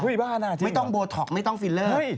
เฮ่ยบ้าหน่าจริงเหรอไม่ต้องโบท็อกไม่ต้องฟิลเลอร์